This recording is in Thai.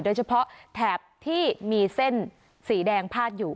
โดยเฉพาะแถบที่มีเส้นสีแดงพาดอยู่